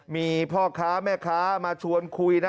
มีพ่อค้าแม่ค้ามาชวนคุยนะ